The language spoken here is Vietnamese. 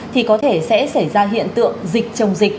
thì có thể sẽ xảy ra hiện tượng dịch trồng dịch